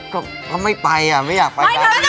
ก็ไม่ไปอ่ะไม่อยากไปร้านนี้